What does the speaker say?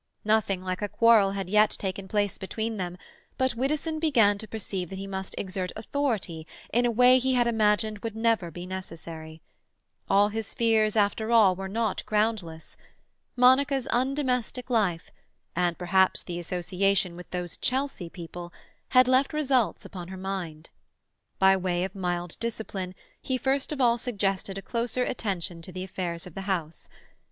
Nothing like a quarrel had yet taken place between them, but Widdowson began to perceive that he must exert authority in a way he had imagined would never be necessary. All his fears, after all, were not groundless. Monica's undomestic life, and perhaps the association with those Chelsea people, had left results upon her mind. By way of mild discipline, he first of all suggested a closer attention to the affairs of the house.